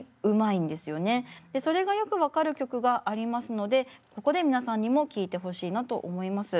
でそれがよく分かる曲がありますのでここで皆さんにも聴いてほしいなと思います。